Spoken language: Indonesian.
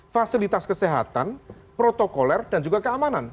fasilitas kesehatan protokoler dan juga keamanan